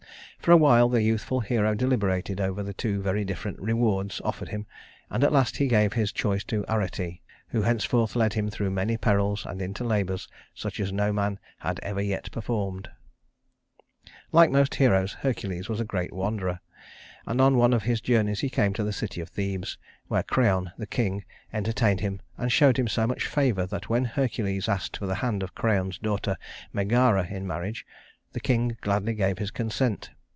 For a while the youthful hero deliberated over the two very different rewards offered him, and at last he gave his choice to Arete, who henceforth led him through many perils, and into labors such as no man had ever yet performed. [Illustration: The Infant Hercules] Like most heroes, Hercules was a great wanderer; and on one of his journeys he came to the city of Thebes, where Creon, the king, entertained him and showed him so much favor that when Hercules asked for the hand of Creon's daughter Megara in marriage, the king gladly gave his consent.